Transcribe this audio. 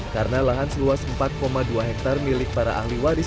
karena lahan seluas empat dua hektare milik para ahli waris